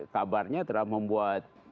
kabarnya telah membuat